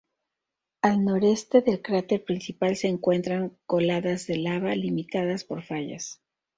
Al noreste del cráter principal se encuentran coladas de lava, limitadas por fallas.